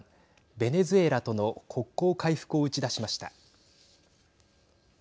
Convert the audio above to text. ベネズエラとの国交回復を打ち出しました。